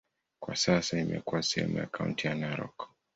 Kwa sasa imekuwa sehemu ya kaunti ya Narok.